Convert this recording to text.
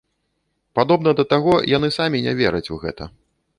Падобна да таго, яны самі не вераць у гэта.